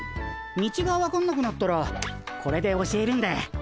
道が分かんなくなったらこれで教えるんで。